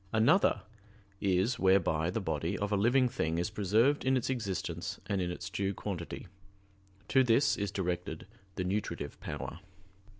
Another is whereby the body of a living thing is preserved in its existence and in its due quantity; to this is directed the nutritive power.